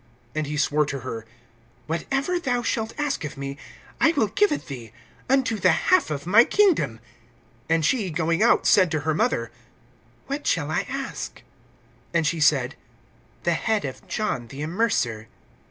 (23)And he swore to her: Whatever thou shalt ask of me, I will give it thee, unto the half of my kingdom. (24)And she, going out, said to her mother: What shall I ask? And she said: The head of John the Immerser.